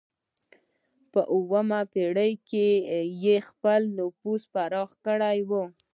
په اوومه پېړۍ کې یې خپل نفوذ پراخ کړی و.